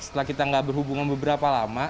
setelah kita gak berhubungan beberapa lama